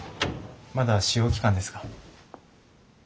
まだ試用期間ですが。